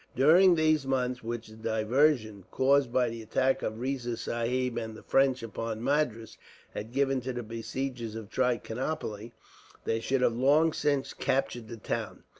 During these months which the diversion, caused by the attack of Riza Sahib and the French upon Madras, had given to the besiegers of Trichinopoli, they should have long since captured the town.